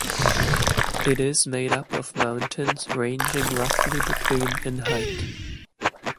It is made up of mountains ranging roughly between in height.